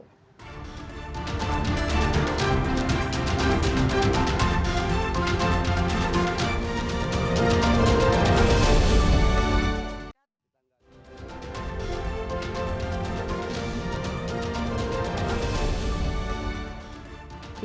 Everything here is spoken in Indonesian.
tentang kemampuan kemampuan kemampuan kemampuan